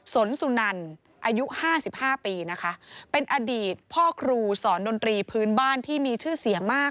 สนสุนันอายุห้าสิบห้าปีนะคะเป็นอดีตพ่อครูสอนดนตรีพื้นบ้านที่มีชื่อเสียงมาก